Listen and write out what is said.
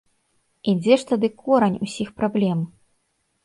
І дзе ж тады корань усіх праблем?